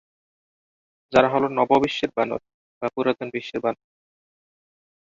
যারা হল নব বিশ্বের বানর আর পুরাতন বিশ্বের বানর।